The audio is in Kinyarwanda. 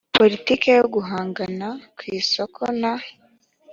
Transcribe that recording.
politiki yo guhangana ku isoko na